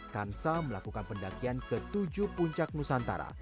kansa melakukan pendakian ke tujuh puncak nusantara